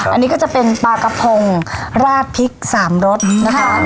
อันนี้ก็จะเป็นปลากระพงราดพริก๓รสนะคะ